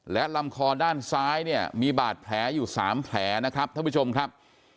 และลำคอด้านซ้ายเนี่ยมีบาดแผลอยู่๓แผลนะครับท่านผู้ชมครับ